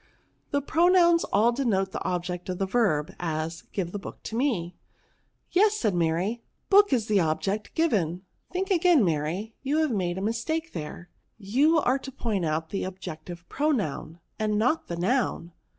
These pro PRONOUNS, ' 171 nouns all denote the object of a verb; as, give the book to me!^ '* Yes/* said Mary, " hooh is the object given." '* Think again, Mary, you have made a mistake there ; you are to point out the ob jective pronoun, and not the noun."